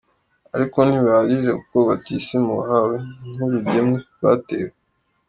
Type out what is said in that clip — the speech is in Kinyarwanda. Ariko ntibihagije, kuko batisimu wahawe ni nk’urugemwe rwatewe.